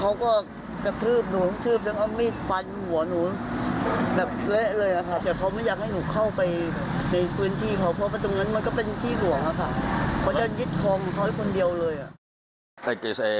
เขาจะยึดคอมเขาคนเดียวเลย